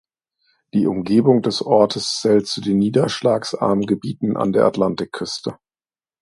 Die Umgebung des Ortes zählt zu den niederschlagsarmen Gebieten an der Atlantikküste.